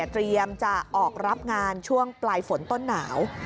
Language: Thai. เตรียมจะออกรับงานช่วงปลายฝนต้นหนาว